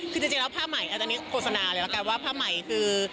คือจริงแล้วผ้าใหม่อันนี้โฆษณาเลยละกันว่าผ้าใหม่คือ